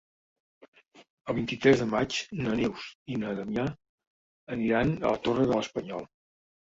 El vint-i-tres de maig na Neus i na Damià aniran a la Torre de l'Espanyol.